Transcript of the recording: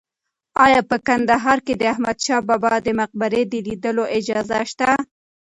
ایا په کندهار کې د احمد شاه بابا د مقبرې د لیدو اجازه شته؟